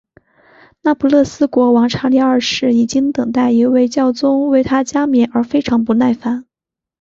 那不勒斯国王查理二世已经等待一位教宗为他加冕而非常不耐烦。